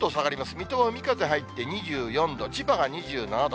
水戸は海風入って、２４度、千葉が２７度。